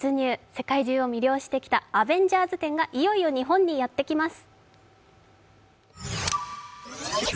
世界中を魅了してきた「アベンジャーズ展」がいよいよ日本にやってきます。